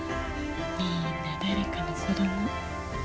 みんな誰かの子ども。